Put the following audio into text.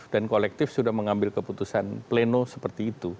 dan kolektif sudah mengambil keputusan pleno seperti itu